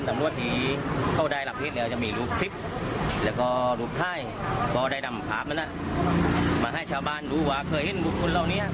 มาให้ชาวบ้านดูว่าเคยเห็นบุคคลเหล่านี้